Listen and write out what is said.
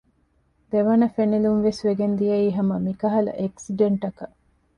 ދެވަނަ ފެނިލުންވެސް ވެގެން ދިޔައީ ހަމަ މިކަހަލަ އެކްސިޑެންޓަކަށް